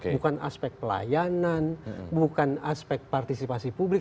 bukan aspek pelayanan bukan aspek partisipasi publik